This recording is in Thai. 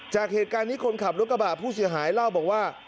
จากเหตุการณ์นี้คนขับรถกระบะผู้เสียหายเล่าบอกว่า